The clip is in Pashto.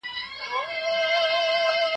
هغه څوک چي بشپړ کوي منظم وي